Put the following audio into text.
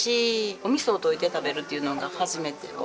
お味噌を溶いて食べるっていうのが初めてお蕎麦で。